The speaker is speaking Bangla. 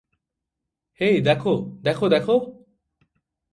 হেই দেখ, দেখ, দেখ!